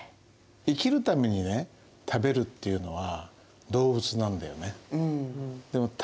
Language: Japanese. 生きるためにね食べるっていうのは動物なんだよね。